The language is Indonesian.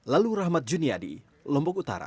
lalu rahmat juniadi lombok utara